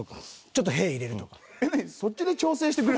ちょっと屁入れるとか。